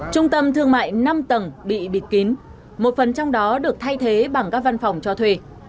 trung tâm thương mại năm tầng bị bịt kín một phần trong đó được thay thế bằng các văn phòng cho thuê